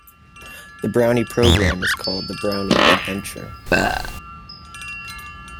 The Brownie programme is called the Brownie Adventure.